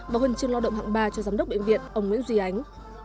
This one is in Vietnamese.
và huân chương lao động hạng ba cho giám đốc bệnh viện ông nguyễn duy ánh